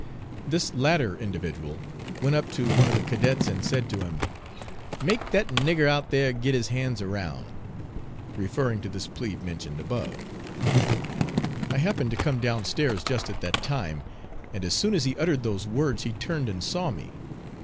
This latter individual went up to one of the cadets and said to him, "Make that nigger out there get his hands around," referring to this plebe mentioned above. I happened to come down stairs just at that time, and as soon as he uttered those words he turned and saw me.